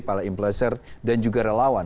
para impleser dan juga relawan